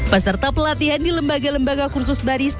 peserta pelatihan di lembaga lembaga kursus barista akan menerima